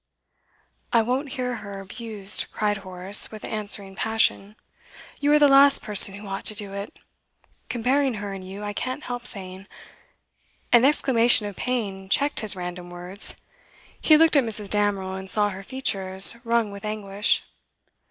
'I won't hear her abused,' cried Horace, with answering passion. 'You are the last person who ought to do it. Comparing her and you, I can't help saying ' An exclamation of pain checked his random words; he looked at Mrs. Damerel, and saw her features wrung with anguish.